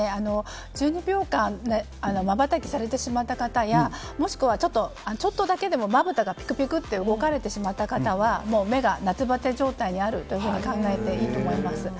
１２秒間でまばたきされてしまった方やもしくはちょっとだけでもまぶたがぴくぴくと動かれてしまった方は目が夏バテ状態にあると考えていいと思います。